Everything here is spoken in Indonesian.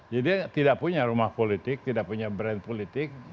jadi dia tidak punya rumah politik tidak punya brand politik